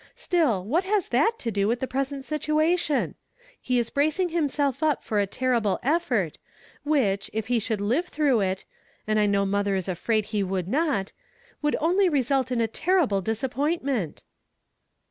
Still, what has that to do with the present question? He is bracing himself up for a terrible effort, which, if he should live through it, — and I know mother is afraid he would not, — ^vould only result in a terrible disappoint ment."